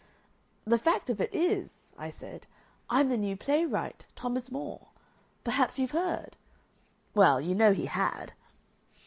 'The fact of it is,' I said, 'I'm the new playwright, Thomas More. Perhaps you've heard ?' Well, you know, he had."